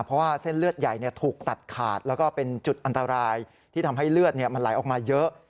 เพราะว่าเส้นเลือดใหญ่ถูกตัดขาดแล้วก็เป็นจุดอันตรายที่ทำให้เลือดมันไหลออกมาเยอะ